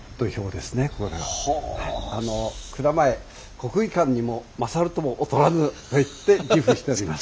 国技館にも勝るとも劣らぬと言って自負しております。